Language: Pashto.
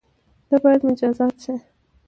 ته بايد مجازات شی